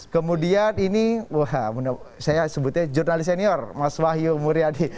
kemudian ini wah saya sebutnya jurnalis senior mas wahyu muryadi